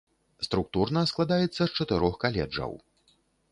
Структурна складаецца з чатырох каледжаў.